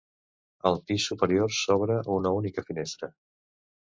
Al pis superior s'obre una única finestra.